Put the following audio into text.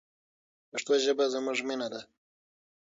پښتو ژبه زموږ مینه ده.